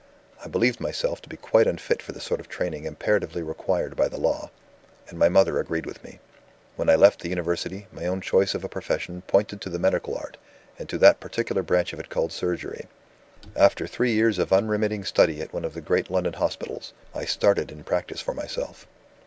I believed myself to be quite unfit for the sort of training imperatively required by the Law; and my mother agreed with me. When I left the University, my own choice of a profession pointed to the medical art, and to that particular branch of it called surgery. After three years of unremitting study at one of the great London hospitals, I started in practice for myself.